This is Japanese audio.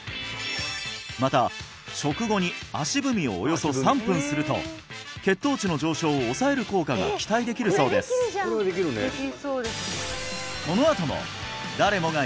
また食後に足踏みをおよそ３分すると血糖値の上昇を抑える効果が期待できるそうですを紹介！